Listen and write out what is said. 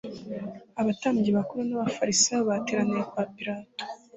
Abatambyi bakuru n'abafarisayo bateranira kwa pilato